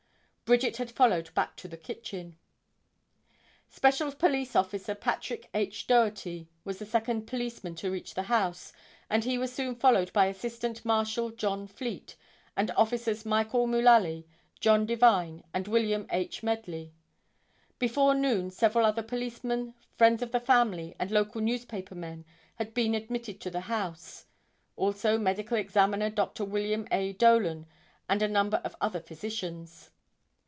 Bridget had followed back to the kitchen. [Illustration: JOHN J. MANNING.] Special police officer Patrick H. Doherty was the second policeman to reach the house, and he was soon followed by Assistant Marshal John Fleet and officers Michael Mullaly, John Devine and William H. Medley. Before noon several other policemen, friends of the family and local newspaper men had been admitted to the house. Also Medical Examiner Dr. William A. Dolan and a number of other physicians.